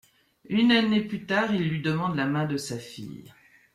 Une année plus tard, il lui demande la main de sa fille.